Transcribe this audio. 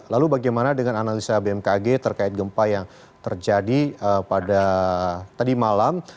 lalu bagaimana dengan analisa bmkg terkait gempa yang terjadi pada tadi malam